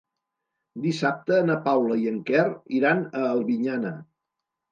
Dissabte na Paula i en Quer iran a Albinyana.